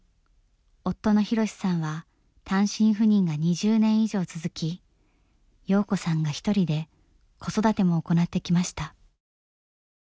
夫の博さんは単身赴任が２０年以上続き洋子さんが一人で子育ても行ってきました。